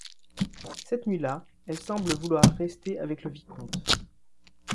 Cette nuit-là, elle semble vouloir rester avec le Vicomte...